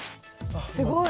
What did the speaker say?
すごい。